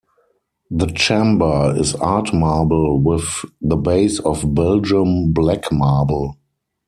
The Chamber is art marble with the base of Belgium black marble.